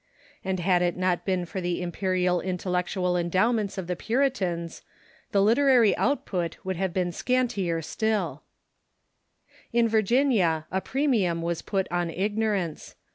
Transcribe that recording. And had it not been for the imperial intellectual endowments of the Puritans the literaiy output would have been scantier still. RELIGIOUS LITERATURE 483 In Virginia a premium was put on ignorance.